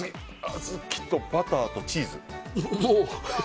小豆とバターとチーズ。